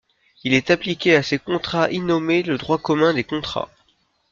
Il est appliqué à ces contrats innommés le droit commun des contrats.